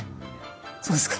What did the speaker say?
そうですか？